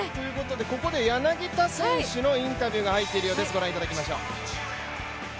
ここで柳田選手のインタビューが入っているようです。